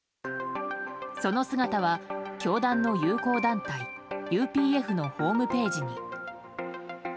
その姿は教団の友好団体ＵＰＦのホームページに。